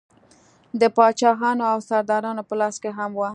د پاچاهانو او سردارانو په لاس کې هم وه.